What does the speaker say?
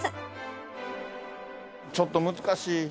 ちょっと難しい。